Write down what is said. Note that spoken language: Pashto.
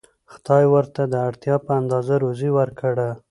خدای ورته د اړتیا په اندازه روزي ورکړه.